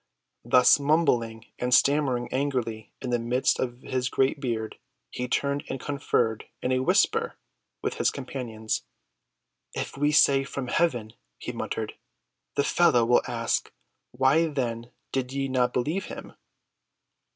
Thus mumbling and stammering angrily in the midst of his great beard, he turned and conferred in a whisper with his companions. "If we say, From heaven," he muttered, "the fellow will ask, Why then did ye not believe him?"